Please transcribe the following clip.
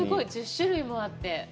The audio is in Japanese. １０種類もあって。